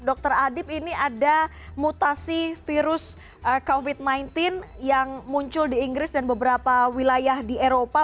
dr adib ini ada mutasi virus covid sembilan belas yang muncul di inggris dan beberapa wilayah di eropa